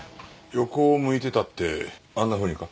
「横を向いてた」ってあんなふうにか？